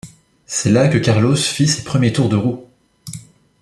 C'est là que Carlos fit ses premiers tours de roue.